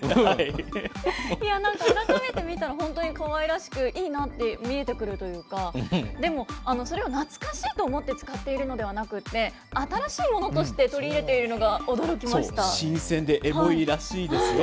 なんか改めて見たら、本当にかわいらしく、いいなって見えてくるというか、でも、それを懐かしいと思って使っているのではなくって、新しいものとして取り入れているのが驚新鮮でエモいらしいですよ。